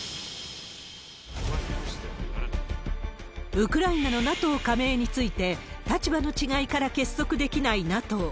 ウクライナのＮＡＴＯ加盟について、立場の違いから結束できないＮＡＴＯ。